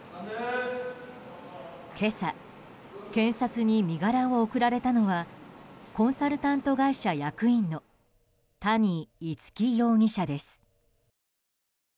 今朝警察に身柄を送られたのはコンサルタント会社役員の谷逸輝容疑者です。